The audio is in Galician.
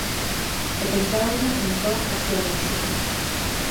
O Pentágono impón a súa lóxica.